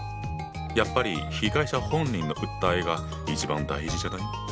やっぱり被害者本人の訴えが一番大事じゃない？